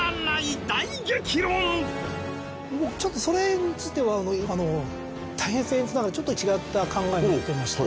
僕ちょっとそれについては大変僭越ながらちょっと違った考えを持ってまして。